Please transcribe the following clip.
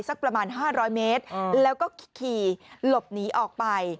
สักประมาณ๕๐๐เมตรแล้วก็ขี่หลบหนีออกไป